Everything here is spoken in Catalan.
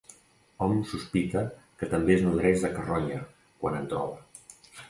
Hom sospita que també es nodreix de carronya, quan en troba.